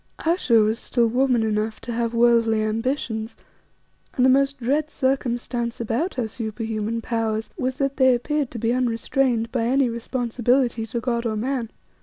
Ayesha was still woman enough to have worldly ambitions, and the most dread circumstance about her superhuman powers was that they appeared to be unrestrained by any responsibility to God or man.